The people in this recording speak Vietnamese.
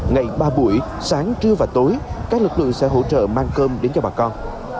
ngày ba buổi sáng trưa và tối các lực lượng sẽ hỗ trợ mang cơm đến cho bà con